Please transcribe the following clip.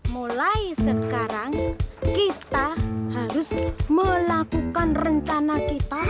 mulai sekarang kita harus melakukan rencana kita